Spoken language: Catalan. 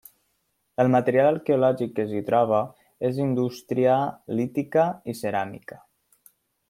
El material arqueològic que s'hi troba és indústria lítica i ceràmica.